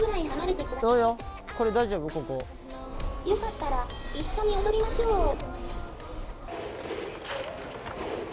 よかったら一緒に踊りましょう。